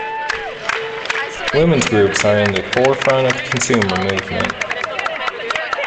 Women's groups are in the forefront of the consumer movement.